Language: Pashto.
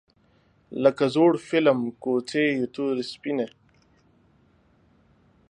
لکه زوړ فیلم کوڅې یې تورې سپینې